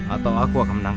atau aku akan mencuri